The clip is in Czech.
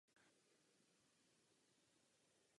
Potýká se s nedostatkem vody.